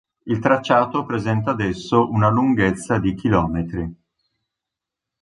Il tracciato presenta adesso una lunghezza di km.